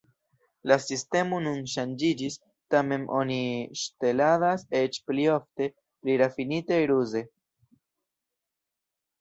La sistemo nun ŝanĝiĝis, tamen oni ŝteladas eĉ pli ofte, pli rafinite, ruze.